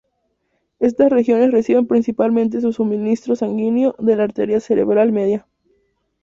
Estas regiones reciben principalmente su suministro sanguíneo de la arteria cerebral media.